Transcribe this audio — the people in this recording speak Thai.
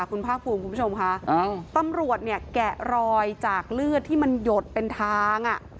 คุณภาคภูมิคุณผู้ชมค่ะตำรวจเนี่ยแกะรอยจากเลือดที่มันหยดเป็นทางอ่ะ